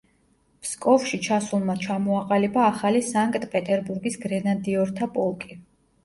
ფსკოვში ჩასულმა ჩამოაყალიბა ახალი „სანკტ-პეტერბურგის გრენადიორთა პოლკი“.